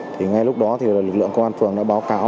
thì ngay lúc đó thì lực lượng công an phường đã báo cáo